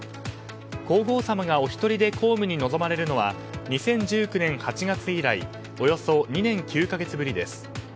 皇后さまがお一人で公務に臨まれるのは２０１９年８月以来およそ２年９か月ぶりです。